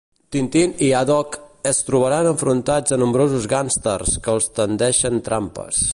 Tintin i Haddock es trobaran enfrontats a nombrosos gàngsters que els tendeixen trampes.